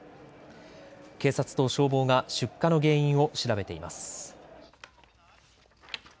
警察と消防が出火の原因を調べています。